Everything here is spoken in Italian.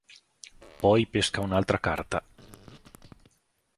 Poi pesca un'altra carta.